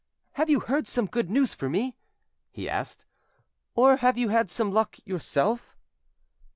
"Have you heard some good news for me?" he asked, "or have you had some luck yourself?"